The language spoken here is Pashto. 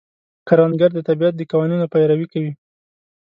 کروندګر د طبیعت د قوانینو پیروي کوي